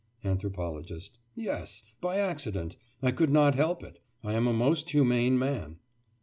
ANTHROPOLOGIST: Yes, by accident. I could not help it. I am a most humane man.